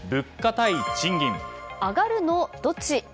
上がるのどっち？